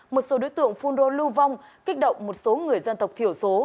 một số đối tượng phun rô lưu vong kích động một số người dân tộc thiểu số